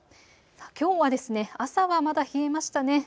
きょうは朝はまだ冷えましたね。